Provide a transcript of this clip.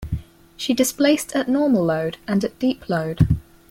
She displaced at normal load, and at deep load.